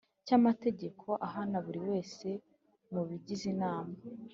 Cy amategeko ahana buri wese mu bagize inama